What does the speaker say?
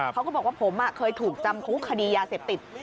เขาก็บอกว่าผมเคยถูกจำคุกคดียาเสพติด